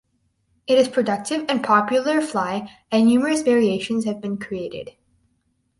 It is productive and popular fly and numerous variations have been created.